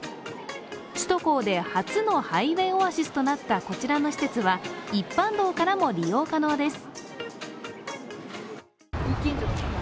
首都高で初のハイウェイオアシスとなった、こちらの施設は一般道からも利用可能です。